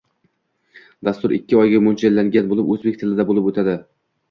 Dastur ikki oyga moʻljallangan boʻlib, oʻzbek tilida boʻlib oʻtadi.